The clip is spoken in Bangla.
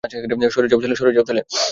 সরে যাও, ছেলে।